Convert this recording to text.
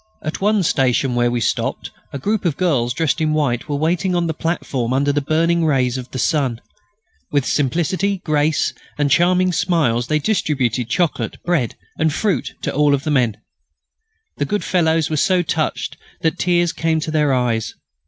At one station where we stopped a group of girls dressed in white were waiting on the platform under the burning rays of the sun. With simplicity, grace, and charming smiles they distributed chocolate, bread, and fruit to all the men. The good fellows were so touched that tears came to their eyes.